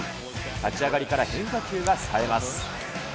立ち上がりから変化球がさえます。